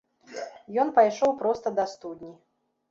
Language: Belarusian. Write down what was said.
Ён пайшоў проста да студні.